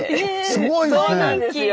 すごいですね！